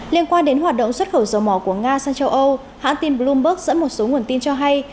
liên quan đến hoạt động xuất khẩu dầu mỏ của nga sang châu âu hãng tin bloomberg dẫn một số nguồn tin cho hay